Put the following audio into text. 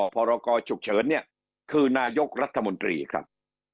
พรกรฉุกเฉินเนี่ยคือนายกรัฐมนตรีครับ